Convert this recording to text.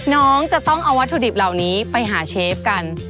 น้องจะต้องเอาวัตถุดิบเหล่านี้ไปหาเชฟกัน